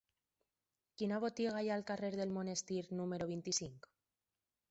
Quina botiga hi ha al carrer del Monestir número vint-i-cinc?